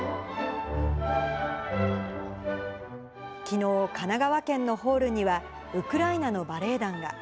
きのう、神奈川県のホールには、ウクライナのバレエ団が。